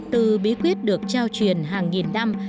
từ bí quyết được trao truyền hàng nghìn năm